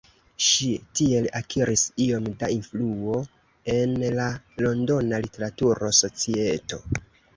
Ŝi tiel akiris iom da influo en la londona literatura societo.